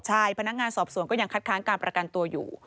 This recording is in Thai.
ใช่พนักงานสอบสวนก็ยังคัดค้างการประกันตัวอยู่